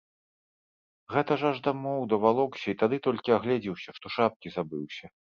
Гэта ж аж дамоў давалокся і тады толькі агледзеўся, што шапкі забыўся.